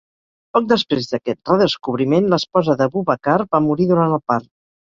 Poc després d'aquest "redescobriment", l'esposa de Boubacar va morir durant el part.